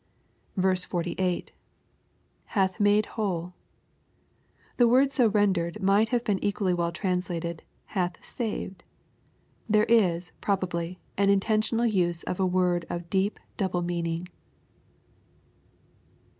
48. — [Hath made wJiole.] The word so rendered might have been equally well translated "hath saved." Tliere is, probably, an intentional use of a word of deep double meaning.